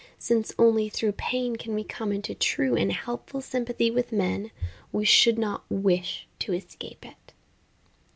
Since only through pain can we come into true and helpful sympathy with men, we should not wish to escape it.